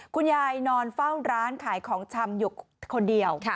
คุณยายนอนเฝ้าร้านขายของชำอยู่คนเดียว